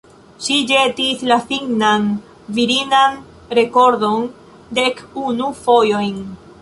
Ŝi ĵetis la finnan virinan rekordon dek unu fojojn.